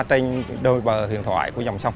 trên đôi bờ huyền thoại của dòng sông